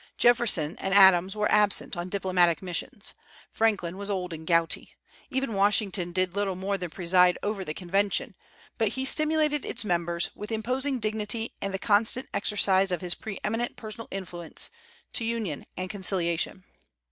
Jefferson and Adams were absent on diplomatic missions. Franklin was old and gouty. Even Washington did little more than preside over the convention; but he stimulated its members, with imposing dignity and the constant exercise of his pre eminent personal influence, to union and conciliation.